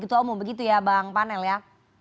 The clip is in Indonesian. ketua umum begitu ya bang panel ya